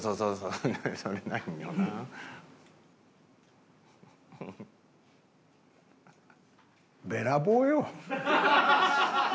おいべらぼうよ。